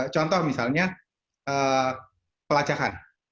contoh misalnya pelacakan